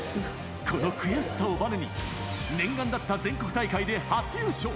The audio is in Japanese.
この悔しさをばねに、念願だった全国大会で初優勝。